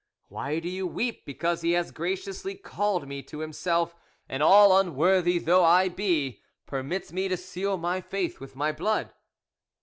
Why do you weep because He has graciously called me to Himself, and all unworthy though I be, permits me to seal my faith with my blood?"